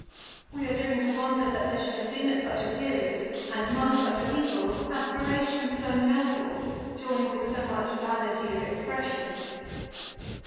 We are driven to wonder that there should have been at such a period, and among such a people, aspirations so noble joined with so much vanity of expression.